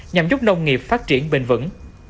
nhằm giúp nông nghiệp phát triển bình vẩn